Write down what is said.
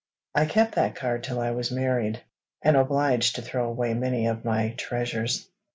I kept that card till I was married, and obliged to throw away many of my treasures.